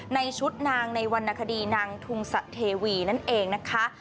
ในชุดนางในวรรณคดีนางทุงสะเทวีนั่นเองนะคะ